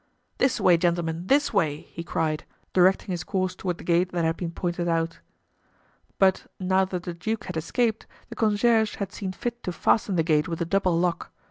"This way, gentlemen, this way!" he cried, directing his course toward the gate that had been pointed out. But, now that the duke had escaped, the concierge had seen fit to fasten the gate with a double lock.